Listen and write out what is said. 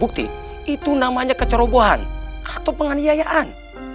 bukti itu namanya kecerobohan atau penganiayaan